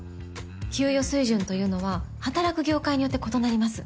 給与水準というのは働く業界によって異なります。